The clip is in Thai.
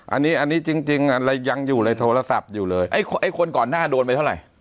อันนี้อันนี้จริงจริงเรายังอยู่ในโทรศัพท์อยู่เลยไอ้คนก่อนหน้าโดนไปเท่าไหร่